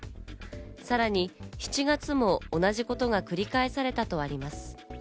さらに７月も同じことが繰り返されたとあります。